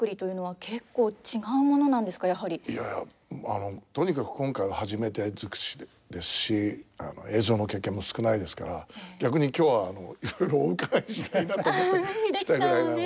いやあのとにかく今回は初めて尽くしですし映像の経験も少ないですから逆に今日はいろいろお伺いしたいなと思って来たぐらいなので。